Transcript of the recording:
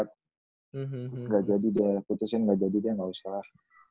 terus ga jadi dia putusin ga jadi dia ga usah